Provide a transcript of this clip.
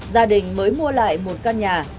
gia đình mới mua lại một căn nhà